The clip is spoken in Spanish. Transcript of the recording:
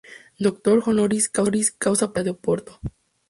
Doctor honoris causa por la Universidad de Oporto.